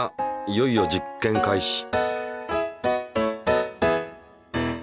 いよいよ実験開始。